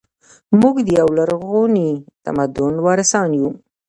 موږ د یو لرغوني تمدن وارثان یو